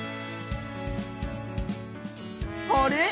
あれ？